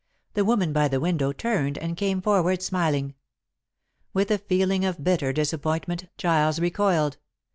The woman by the window turned and came forward smiling. With a feeling of bitter disappointment Giles recoiled.